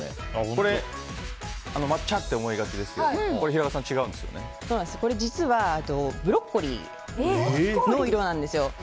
これ、抹茶と思いがちですがこれ実はブロッコリーの色なんです。